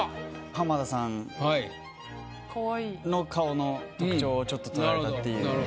浜田さんの顔の特徴をちょっと捉えたっていう。